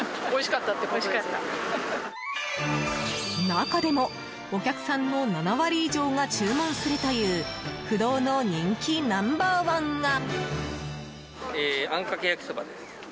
中でも、お客さんの７割以上が注文するという不動の人気ナンバー１が。